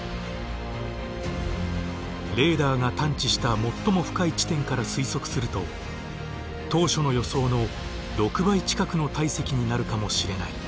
レーダーが探知した最も深い地点から推測すると当初の予想の６倍近くの体積になるかもしれない。